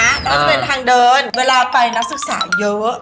เราจะเป็นทางเดินเวลาไปนักศึกษาเยอะ